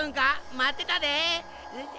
まってたで。